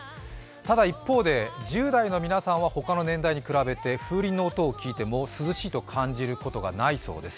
ただ一方で、１０代の皆さんは他の年代に比べて風鈴の音を聞いても涼しいと感じることがないそうです